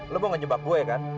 lo mau ngejebak gue kan